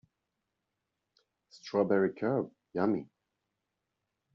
Strawberry curd, yummy!